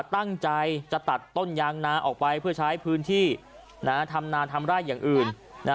ตั้งใจจะตัดต้นยางนาออกไปเพื่อใช้พื้นที่ทำนาทำไร่อย่างอื่น